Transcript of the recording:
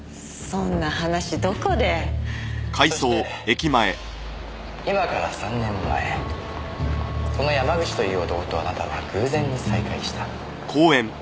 そして今から３年前その山口という男とあなたは偶然に再会した。